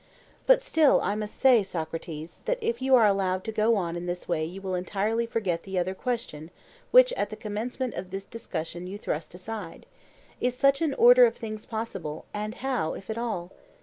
But still I must say, Socrates, that if you are allowed to go on in this way you will entirely forget the other question which at the commencement of this discussion you thrust aside:—Is such an order of things possible, and how, if at all?